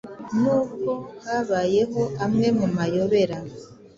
n’ubwo habayeho amwe mu mayobera